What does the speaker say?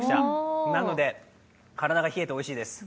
なので体が冷えておいしいです。